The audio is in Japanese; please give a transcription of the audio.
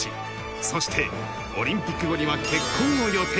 そしてオリンピック後には結婚を予定。